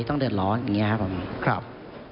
ต้องเดินร้อนอย่างนี้ครับ